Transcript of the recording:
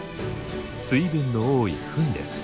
水分の多いフンです。